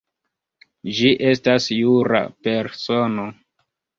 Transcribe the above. Ĝi estas jura persono.